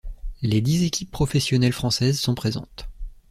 Les dix équipes professionnelles françaises sont présentes.